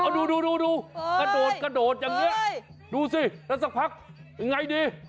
เอาดูดูสิแล้วสักพักยังไงดี